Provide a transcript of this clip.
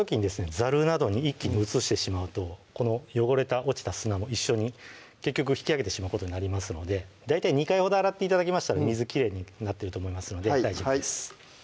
ざるなどに一気に移してしまうとこの汚れた落ちた砂も一緒に結局引き上げてしまうことになりますので大体２回ほど洗って頂きましたら水きれいになってると思いますので大丈夫です